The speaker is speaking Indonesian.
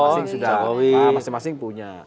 pak jokowi masing masing punya